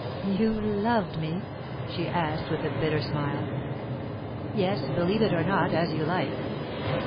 "You loved me?" she asked, with a bitter smile. "Yes; believe it or not, as you like.